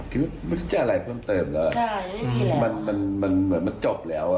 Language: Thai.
คิดว่าวิทยาลัยควรเติบแล้วมันเหมือนมันจบแล้ว